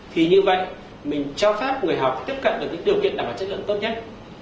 thì như vậy mình cho phép người học tiếp cận được những điều kiện đảm bảo chất lượng tốt nhất